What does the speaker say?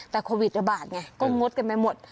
แต่โควิดระบาดไงก็งดกันไปหมด